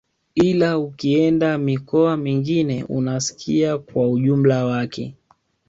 Ila ukienda mikoa mingine unasikia kwa ujumla wake